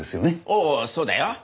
おおそうだよ。